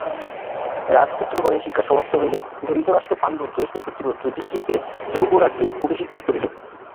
রাজপুত্রগণের শিক্ষা সমাপ্ত হইলে ধৃতরাষ্ট্র পাণ্ডুর জ্যেষ্ঠ পুত্র যুধিষ্ঠিরকে যৌবরাজ্যে অভিষিক্ত করিলেন।